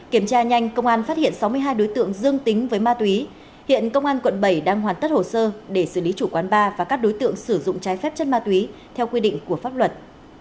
kiểm tra nhanh công an phát hiện sáu mươi hai đối tượng dương tính với ma túy hiện công an quận bảy đang hoàn tất hồ sơ để xử lý chủ quán bar và các đối tượng sử dụng trái phép chất ma túy theo quy định của pháp luật